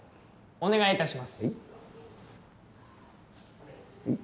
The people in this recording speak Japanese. お願いいたします。